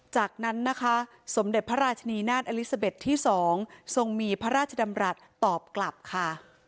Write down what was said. จากนั้นนะคะสมเด็จพระราชนีนาฏอลิซาเบ็ดที่๒ทรงมีพระราชดำรัฐตอบกลับค่ะ